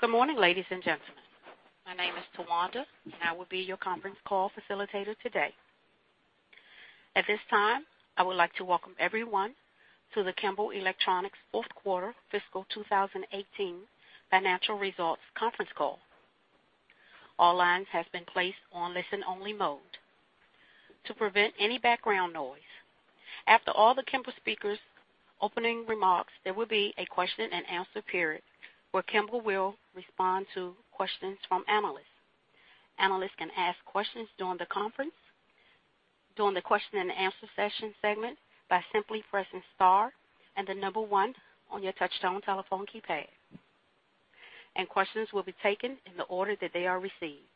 Good morning, ladies and gentlemen. My name is Tawanda, and I will be your conference call facilitator today. At this time, I would like to welcome everyone to the Kimball Electronics fourth quarter fiscal 2018 financial results conference call. All lines have been placed on listen-only mode to prevent any background noise. After all the Kimball speakers' opening remarks, there will be a question and answer period where Kimball will respond to questions from analysts. Analysts can ask questions during the conference, during the question and answer session segment, by simply pressing star and the number 1 on your touch-tone telephone keypad. Questions will be taken in the order that they are received.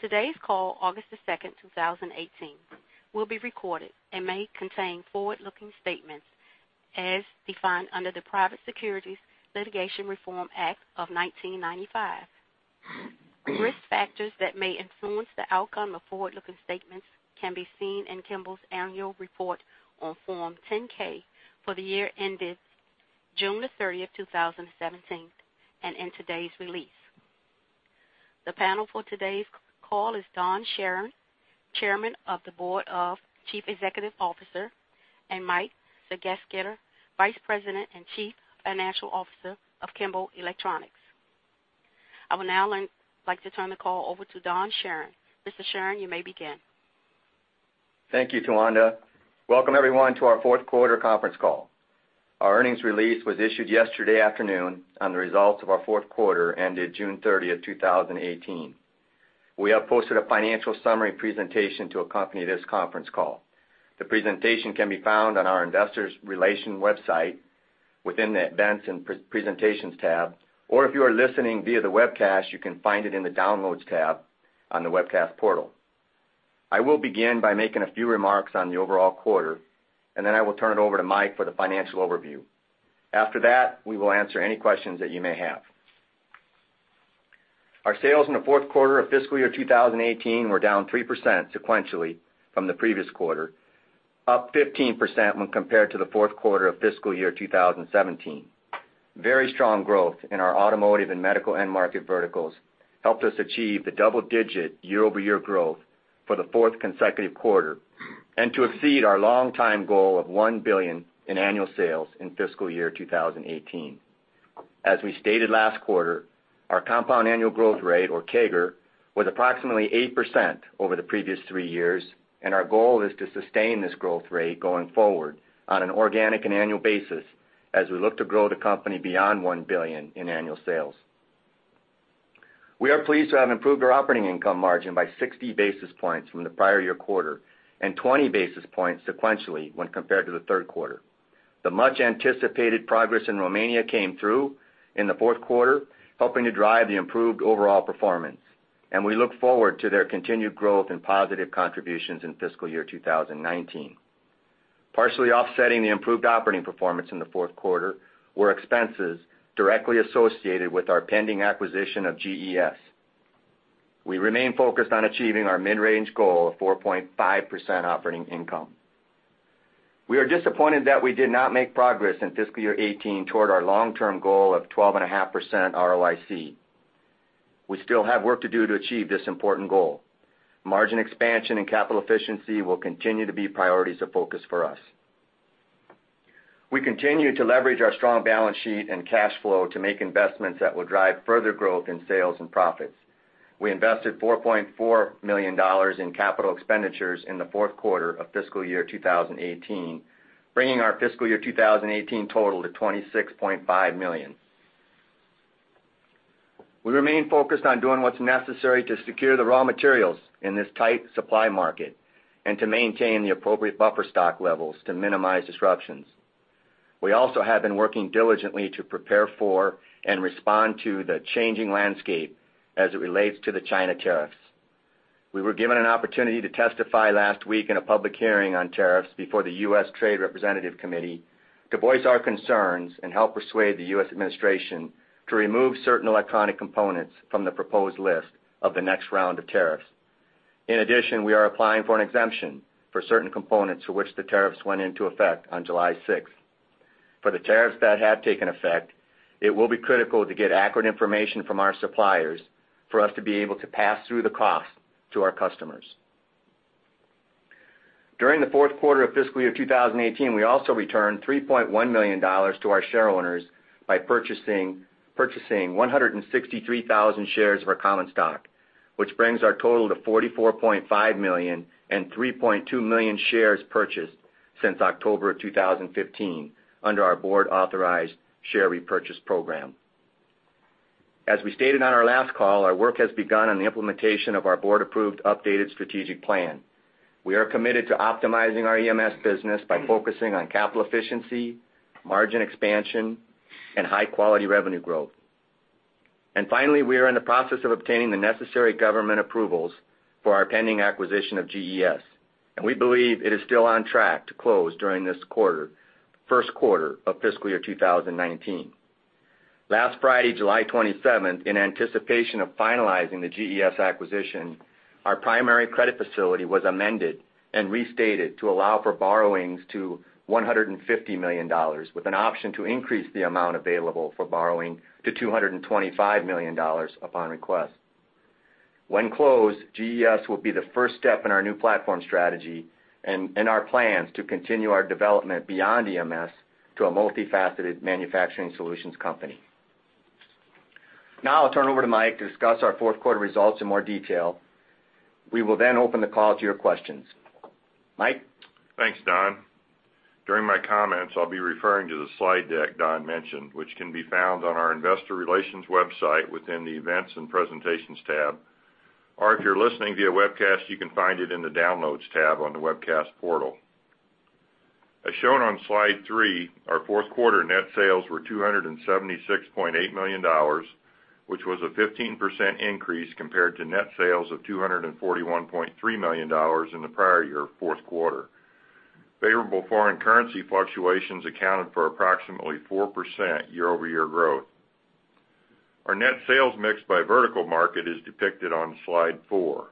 Today's call, August the 2nd, 2018, will be recorded and may contain forward-looking statements as defined under the Private Securities Litigation Reform Act of 1995. Risk factors that may influence the outcome of forward-looking statements can be seen in Kimball's annual report on Form 10-K for the year ended June the 30th, 2017, and in today's release. The panel for today's call is Don Charron, Chairman of the Board and Chief Executive Officer, and Mike Sergesketter, Vice President and Chief Financial Officer of Kimball Electronics. I would now like to turn the call over to Don Charron. Mr. Charron, you may begin. Thank you, Tawanda. Welcome everyone to our fourth quarter conference call. Our earnings release was issued yesterday afternoon on the results of our fourth quarter ended June 30th, 2018. We have posted a financial summary presentation to accompany this conference call. The presentation can be found on our Investor Relations website within the events and presentations tab, or if you are listening via the webcast, you can find it in the downloads tab on the webcast portal. I will begin by making a few remarks on the overall quarter, and then I will turn it over to Mike for the financial overview. After that, we will answer any questions that you may have. Our sales in the fourth quarter of fiscal year 2018 were down 3% sequentially from the previous quarter, up 15% when compared to the fourth quarter of fiscal year 2017. Very strong growth in our automotive and medical end market verticals helped us achieve the double-digit year-over-year growth for the fourth consecutive quarter, and to exceed our longtime goal of $1 billion in annual sales in fiscal year 2018. As we stated last quarter, our compound annual growth rate, or CAGR, was approximately 8% over the previous three years, and our goal is to sustain this growth rate going forward on an organic and annual basis as we look to grow the company beyond $1 billion in annual sales. We are pleased to have improved our operating income margin by 60 basis points from the prior year quarter and 20 basis points sequentially when compared to the third quarter. The much-anticipated progress in Romania came through in the fourth quarter, helping to drive the improved overall performance. We look forward to their continued growth and positive contributions in fiscal year 2019. Partially offsetting the improved operating performance in the fourth quarter were expenses directly associated with our pending acquisition of GES. We remain focused on achieving our mid-range goal of 4.5% operating income. We are disappointed that we did not make progress in fiscal year 2018 toward our long-term goal of 12.5% ROIC. We still have work to do to achieve this important goal. Margin expansion and capital efficiency will continue to be priorities of focus for us. We continue to leverage our strong balance sheet and cash flow to make investments that will drive further growth in sales and profits. We invested $4.4 million in capital expenditures in the fourth quarter of fiscal year 2018, bringing our fiscal year 2018 total to $26.5 million. We remain focused on doing what's necessary to secure the raw materials in this tight supply market and to maintain the appropriate buffer stock levels to minimize disruptions. We also have been working diligently to prepare for and respond to the changing landscape as it relates to the China tariffs. We were given an opportunity to testify last week in a public hearing on tariffs before the U.S. Trade Representative Committee to voice our concerns and help persuade the U.S. administration to remove certain electronic components from the proposed list of the next round of tariffs. In addition, we are applying for an exemption for certain components for which the tariffs went into effect on July 6th. For the tariffs that have taken effect, it will be critical to get accurate information from our suppliers for us to be able to pass through the cost to our customers. During the fourth quarter of fiscal year 2018, we also returned $3.1 million to our shareowners by purchasing 163,000 shares of our common stock, which brings our total to $44.5 million and 3.2 million shares purchased since October of 2015 under our board-authorized share repurchase program. As we stated on our last call, our work has begun on the implementation of our board-approved updated strategic plan. We are committed to optimizing our EMS business by focusing on capital efficiency, margin expansion, and high-quality revenue growth. Finally, we are in the process of obtaining the necessary government approvals for our pending acquisition of GES. We believe it is still on track to close during this quarter, first quarter of fiscal year 2019. Last Friday, July 27th, in anticipation of finalizing the GES acquisition, our primary credit facility was amended and restated to allow for borrowings to $150 million, with an option to increase the amount available for borrowing to $225 million upon request. When closed, GES will be the first step in our new platform strategy and in our plans to continue our development beyond EMS to a multifaceted manufacturing solutions company. I'll turn it over to Mike to discuss our fourth quarter results in more detail. We will open the call to your questions. Mike? Thanks, Don. During my comments, I'll be referring to the slide deck Don mentioned, which can be found on our investor relations website within the Events and Presentations tab. Or if you're listening via webcast, you can find it in the Downloads tab on the webcast portal. As shown on Slide 3, our fourth quarter net sales were $276.8 million, which was a 15% increase compared to net sales of $241.3 million in the prior year fourth quarter. Favorable foreign currency fluctuations accounted for approximately 4% year-over-year growth. Our net sales mix by vertical market is depicted on Slide 4.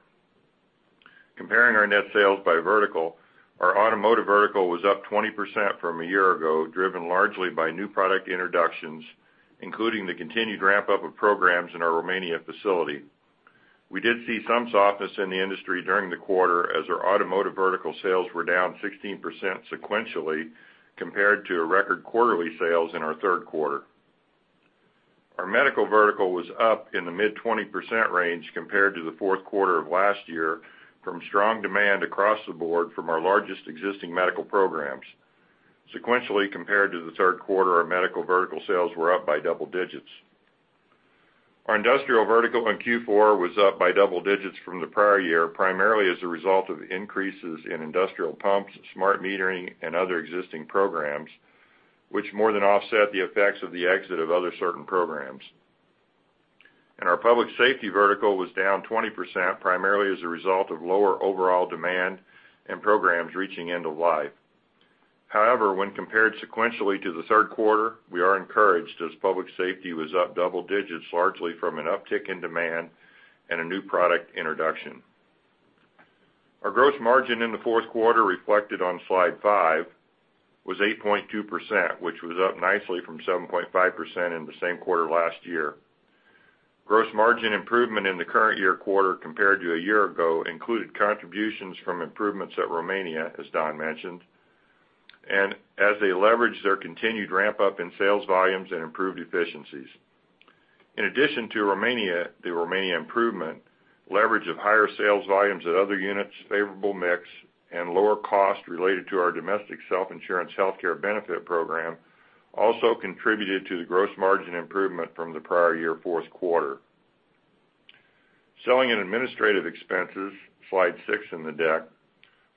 Comparing our net sales by vertical, our automotive vertical was up 20% from a year ago, driven largely by new product introductions, including the continued ramp-up of programs in our Romania facility. We did see some softness in the industry during the quarter, as our automotive vertical sales were down 16% sequentially compared to record quarterly sales in our third quarter. Our medical vertical was up in the mid-20% range compared to the fourth quarter of last last year from strong demand across the board from our largest existing medical programs. Sequentially, compared to the third quarter, our medical vertical sales were up by double digits. Our industrial vertical in Q4 was up by double digits from the prior year, primarily as a result of increases in industrial pumps, smart metering, and other existing programs, which more than offset the effects of the exit of other certain programs. Our public safety vertical was down 20%, primarily as a result of lower overall demand and programs reaching end of life. However, when compared sequentially to the third quarter, we are encouraged as public safety was up double digits, largely from an uptick in demand and a new product introduction. Our gross margin in the fourth quarter, reflected on Slide 5, was 8.2%, which was up nicely from 7.5% in the same quarter last year. Gross margin improvement in the current year quarter compared to a year ago included contributions from improvements at Romania, as Don mentioned, and as they leveraged their continued ramp-up in sales volumes and improved efficiencies. In addition to the Romania improvement, leverage of higher sales volumes at other units, favorable mix, and lower cost related to our domestic self-insurance healthcare benefit program also contributed to the gross margin improvement from the prior year fourth quarter. Selling and administrative expenses, Slide 6 in the deck,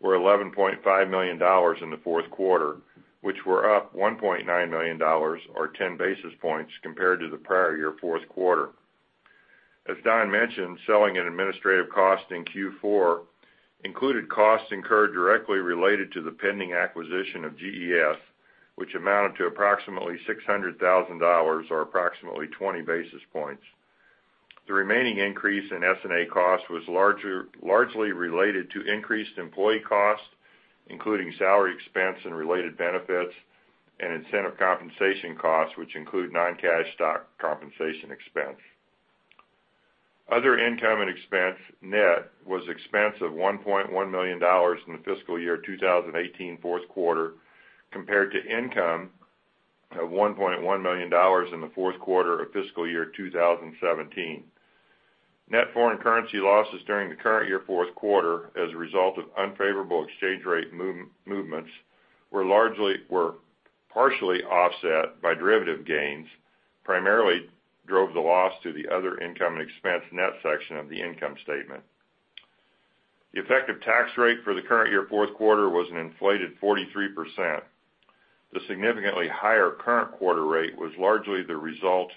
were $11.5 million in the fourth quarter, which were up $1.9 million or 10 basis points compared to the prior year fourth quarter. As Don mentioned, selling and administrative costs in Q4 included costs incurred directly related to the pending acquisition of GES, which amounted to approximately $600,000 or approximately 20 basis points. The remaining increase in S&A cost was largely related to increased employee costs, including salary expense and related benefits and incentive compensation costs, which include non-cash stock compensation expense. Other income and expense net was expense of $1.1 million in the fiscal year 2018 fourth quarter, compared to income of $1.1 million in the fourth quarter of fiscal year 2017. Net foreign currency losses during the current year fourth quarter as a result of unfavorable exchange rate movements were partially offset by derivative gains, primarily drove the loss to the other income and expense net section of the income statement. The effective tax rate for the current year fourth quarter was an inflated 43%. The significantly higher current quarter rate was largely the result of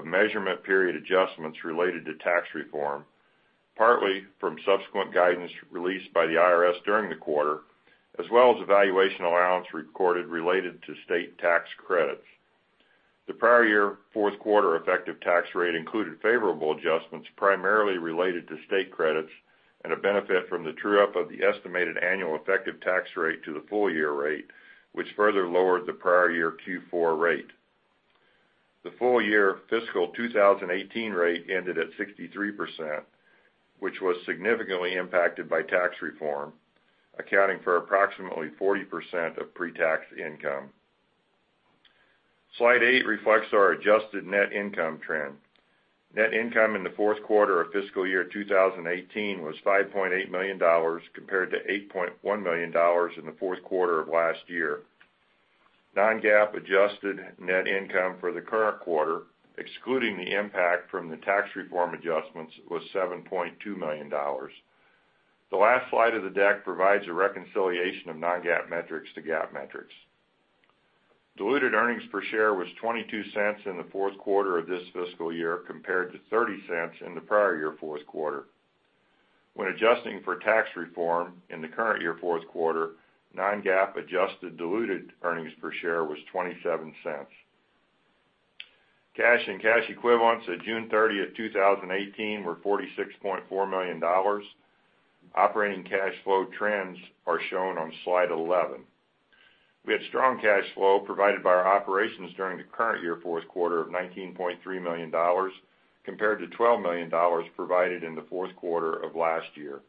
measurement period adjustments related to tax reform, partly from subsequent guidance released by the IRS during the quarter, as well as a valuation allowance recorded related to state tax credits. The prior year fourth quarter effective tax rate included favorable adjustments, primarily related to state credits and a benefit from the true-up of the estimated annual effective tax rate to the full-year rate, which further lowered the prior year Q4 rate. The full-year fiscal 2018 rate ended at 63%, which was significantly impacted by tax reform, accounting for approximately 40% of pre-tax income. Slide 8 reflects our adjusted net income trend. Net income in the fourth quarter of fiscal year 2018 was $5.8 million compared to $8.1 million in the fourth quarter of last year. Non-GAAP adjusted net income for the current quarter, excluding the impact from the tax reform adjustments, was $7.2 million. The last slide of the deck provides a reconciliation of non-GAAP metrics to GAAP metrics. Diluted earnings per share was $0.22 in the fourth quarter of this fiscal year, compared to $0.30 in the prior year fourth quarter. When adjusting for tax reform in the current year fourth quarter, non-GAAP adjusted diluted earnings per share was $0.27. Cash and cash equivalents at June 30, 2018 were $46.4 million. Operating cash flow trends are shown on Slide 11. We had strong cash flow provided by our operations during the current year fourth quarter of $19.3 million, compared to $12 million provided in the fourth quarter of last year.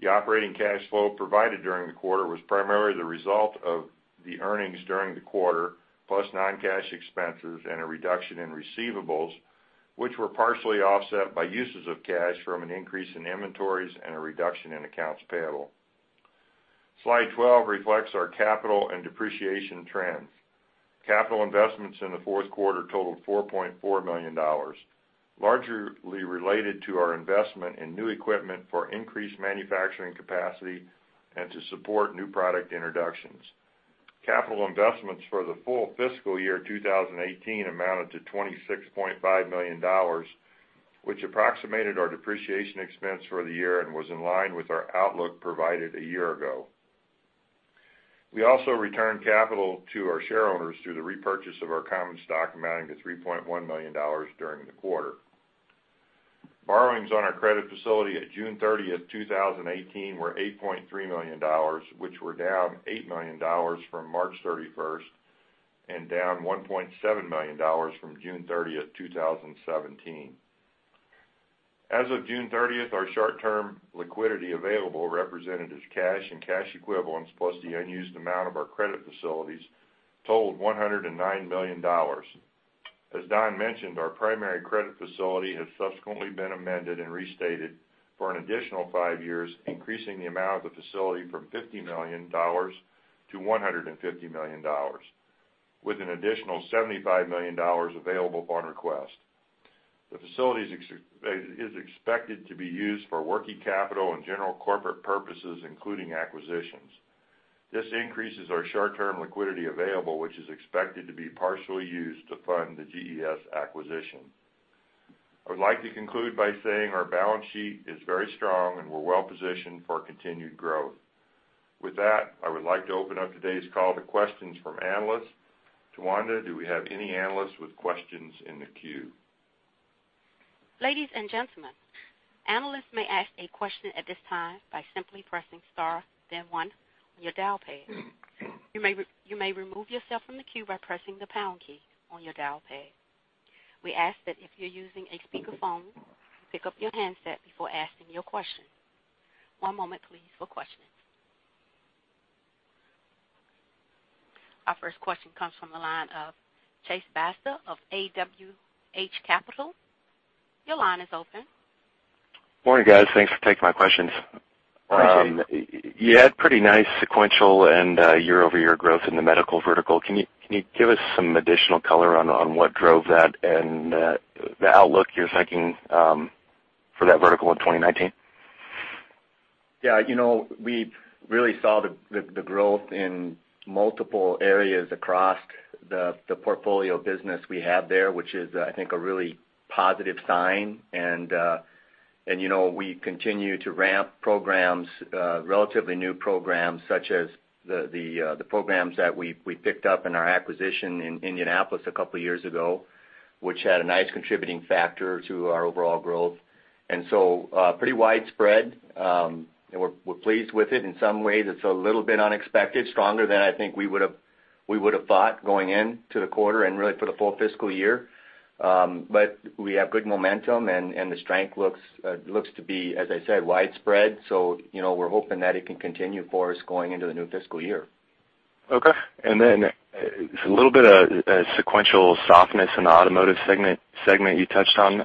The operating cash flow provided during the quarter was primarily the result of the earnings during the quarter, plus non-cash expenses and a reduction in receivables, which were partially offset by uses of cash from an increase in inventories and a reduction in accounts payable. Slide 12 reflects our capital and depreciation trends. Capital investments in the fourth quarter totaled $4.4 million, largely related to our investment in new equipment for increased manufacturing capacity and to support new product introductions. Capital investments for the full fiscal year 2018 amounted to $26.5 million, which approximated our depreciation expense for the year and was in line with our outlook provided a year ago. We also returned capital to our shareholders through the repurchase of our common stock, amounting to $3.1 million during the quarter. Borrowings on our credit facility at June 30, 2018 were $8.3 million, which were down $8 million from March 31, and down $1.7 million from June 30, 2017. As of June 30, our short-term liquidity available, represented as cash and cash equivalents plus the unused amount of our credit facilities, totaled $109 million. As Don mentioned, our primary credit facility has subsequently been amended and restated for an additional five years, increasing the amount of the facility from $50 million to $150 million with an additional $75 million available upon request. The facility is expected to be used for working capital and general corporate purposes, including acquisitions. This increases our short-term liquidity available, which is expected to be partially used to fund the GES acquisition. I would like to conclude by saying our balance sheet is very strong, and we're well-positioned for continued growth. With that, I would like to open up today's call to questions from analysts. Tawanda, do we have any analysts with questions in the queue? Ladies and gentlemen, analysts may ask a question at this time by simply pressing star then one on your dial pad. You may remove yourself from the queue by pressing the pound key on your dial pad. We ask that if you're using a speakerphone, you pick up your handset before asking your question. One moment please for questions. Our first question comes from the line of Chase Basta of AWH Capital. Your line is open. Morning, guys. Thanks for taking my questions. Appreciate it. You had pretty nice sequential and year-over-year growth in the medical vertical. Can you give us some additional color on what drove that and the outlook you're thinking for that vertical in 2019? Yeah. We really saw the growth in multiple areas across the portfolio business we have there, which is, I think, a really positive sign. We continue to ramp programs, relatively new programs, such as the programs that we picked up in our acquisition in Indianapolis a couple of years ago, which had a nice contributing factor to our overall growth. Pretty widespread. We're pleased with it. In some ways, it's a little bit unexpected, stronger than I think we would've thought going into the quarter and really for the full fiscal year. We have good momentum, and the strength looks to be, as I said, widespread. We're hoping that it can continue for us going into the new fiscal year. Okay. Just a little bit of sequential softness in the automotive segment you touched on.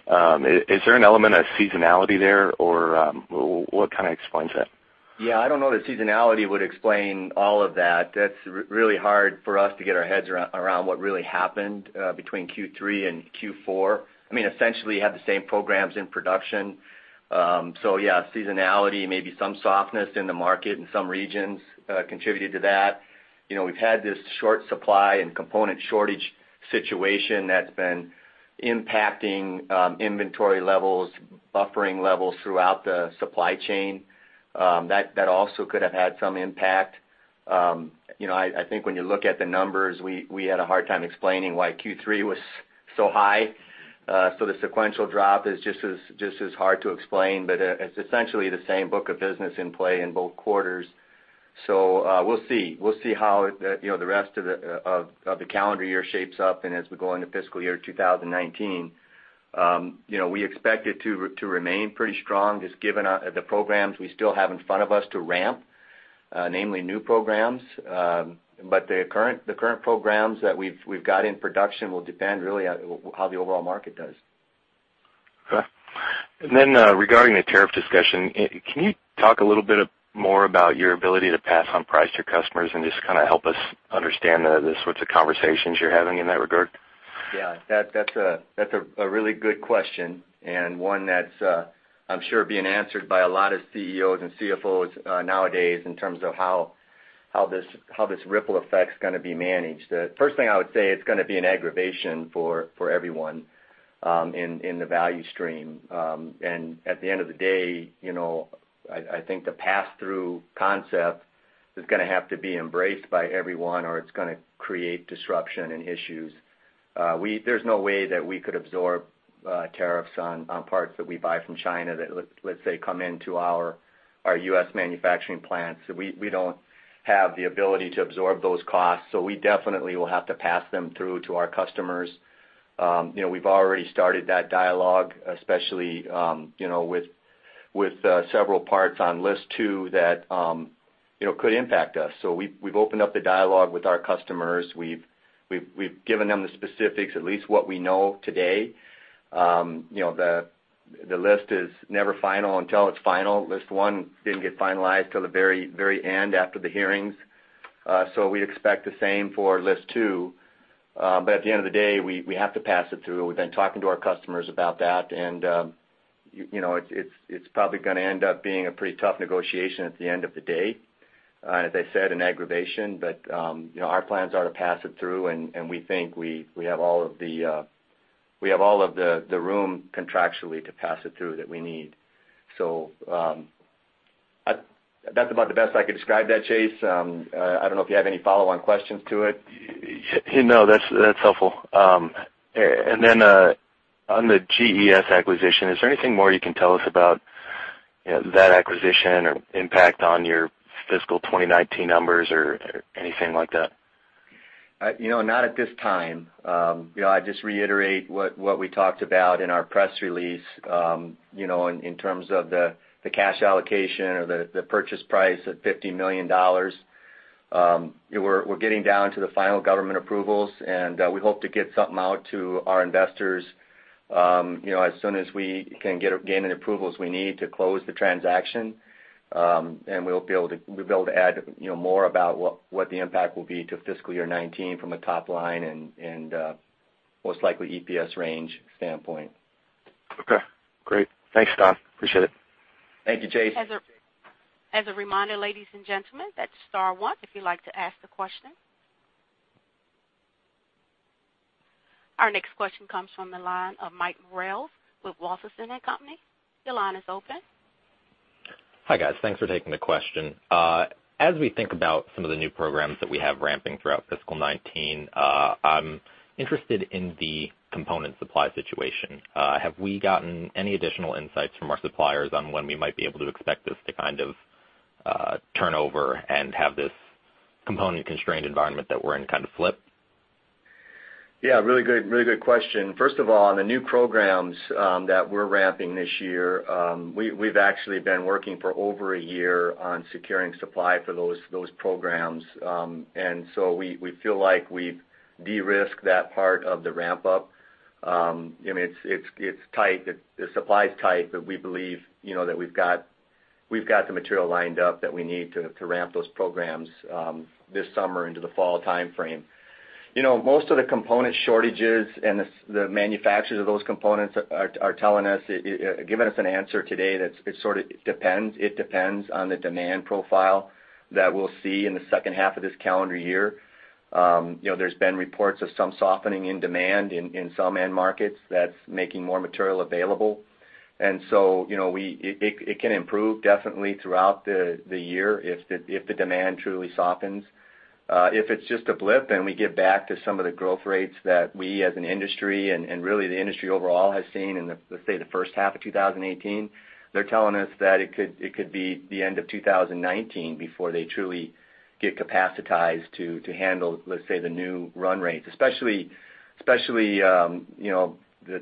Is there an element of seasonality there, or what kind of explains that? Yeah, I don't know that seasonality would explain all of that. That's really hard for us to get our heads around what really happened between Q3 and Q4. We essentially had the same programs in production. Yeah, seasonality, maybe some softness in the market in some regions contributed to that. We've had this short supply and component shortage situation that's been impacting inventory levels, buffering levels throughout the supply chain. That also could have had some impact. I think when you look at the numbers, we had a hard time explaining why Q3 was so high. The sequential drop is just as hard to explain, it's essentially the same book of business in play in both quarters. We'll see how the rest of the calendar year shapes up and as we go into fiscal year 2019. We expect it to remain pretty strong, just given the programs we still have in front of us to ramp, namely new programs. The current programs that we've got in production will depend really on how the overall market does. Okay. Regarding the tariff discussion, can you talk a little bit more about your ability to pass on price to customers and just kind of help us understand the sorts of conversations you're having in that regard? Yeah. That's a really good question, and one that's, I'm sure, being answered by a lot of CEOs and CFOs nowadays in terms of how this ripple effect's going to be managed. The first thing I would say, it's going to be an aggravation for everyone in the value stream. At the end of the day, I think the pass-through concept is going to have to be embraced by everyone, or it's going to create disruption and issues. There's no way that we could absorb tariffs on parts that we buy from China that, let's say, come into our Our U.S. manufacturing plants. We don't have the ability to absorb those costs, we definitely will have to pass them through to our customers. We've already started that dialogue, especially with several parts on list two that could impact us. We've opened up the dialogue with our customers. We've given them the specifics, at least what we know today. The list is never final until it's final. List one didn't get finalized till the very end after the hearings. We expect the same for list two. At the end of the day, we have to pass it through. We've been talking to our customers about that, it's probably going to end up being a pretty tough negotiation at the end of the day. As I said, an aggravation, our plans are to pass it through, and we think we have all of the room contractually to pass it through that we need. That's about the best I could describe that, Chase. I don't know if you have any follow-on questions to it. No, that's helpful. On the GES acquisition, is there anything more you can tell us about that acquisition or impact on your fiscal 2019 numbers or anything like that? Not at this time. I'd just reiterate what we talked about in our press release, in terms of the cash allocation or the purchase price at $50 million. We're getting down to the final government approvals, and we hope to get something out to our investors as soon as we can gain the approvals we need to close the transaction. We'll be able to add more about what the impact will be to fiscal year 2019 from a top line and most likely EPS range standpoint. Okay, great. Thanks, Don. Appreciate it. Thank you, Chase. As a reminder, ladies and gentlemen, that's star one if you'd like to ask a question. Our next question comes from the line of [Mike Ralph with Wolfson and Company]. Your line is open. Hi, guys. Thanks for taking the question. As we think about some of the new programs that we have ramping throughout fiscal 2019, I'm interested in the component supply situation. Have we gotten any additional insights from our suppliers on when we might be able to expect this to kind of turn over and have this component-constrained environment that we're in kind of flip? Yeah, really good question. First of all, on the new programs that we're ramping this year, we've actually been working for over a year on securing supply for those programs. We feel like we've de-risked that part of the ramp-up. It's tight, the supply's tight, we believe that we've got the material lined up that we need to ramp those programs this summer into the fall timeframe. Most of the component shortages and the manufacturers of those components are telling us, giving us an answer today that it sort of depends. It depends on the demand profile that we'll see in the second half of this calendar year. There's been reports of some softening in demand in some end markets that's making more material available. It can improve definitely throughout the year if the demand truly softens. If it's just a blip and we get back to some of the growth rates that we as an industry and really the industry overall has seen in, let's say, the first half of 2018, they're telling us that it could be the end of 2019 before they truly get capacitized to handle, let's say, the new run rates. Especially the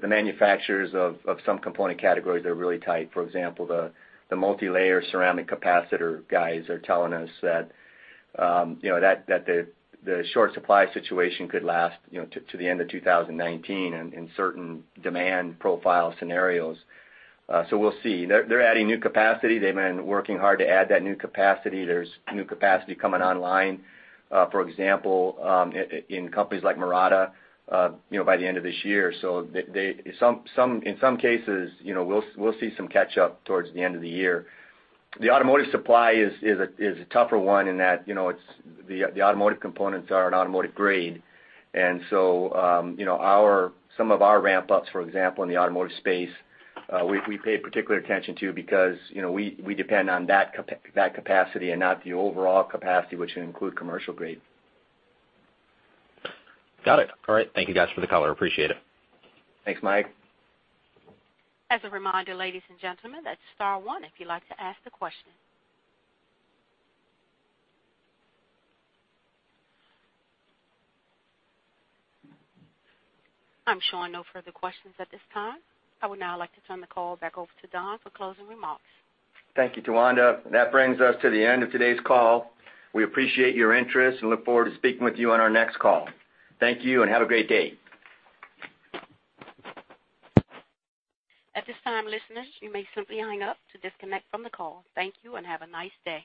manufacturers of some component categories that are really tight. For example, the multilayer ceramic capacitor guys are telling us that the short supply situation could last to the end of 2019 in certain demand profile scenarios. We'll see. They're adding new capacity. They've been working hard to add that new capacity. There's new capacity coming online, for example, in companies like Murata, by the end of this year. In some cases, we'll see some catch up towards the end of the year. The automotive supply is a tougher one in that the automotive components are an automotive grade. Some of our ramp-ups, for example, in the automotive space, we pay particular attention to because we depend on that capacity and not the overall capacity which would include commercial grade. Got it. All right. Thank you guys for the color. Appreciate it. Thanks, Mike. As a reminder, ladies and gentlemen, that's star one if you'd like to ask a question. I'm showing no further questions at this time. I would now like to turn the call back over to Don for closing remarks. Thank you, Tawanda. That brings us to the end of today's call. We appreciate your interest and look forward to speaking with you on our next call. Thank you and have a great day. At this time, listeners, you may simply hang up to disconnect from the call. Thank you and have a nice day.